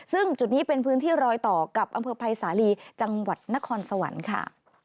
ซึ่งจุดนี้เป็นพื้นที่รอยต่อกับอำเภอภัยสาลีจังหวัดนครสวรรค์ค่ะ